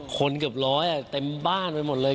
เกือบร้อยเต็มบ้านไปหมดเลย